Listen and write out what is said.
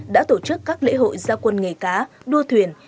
đã tổ chức các lễ hội gia quân nghề cá đua thuyền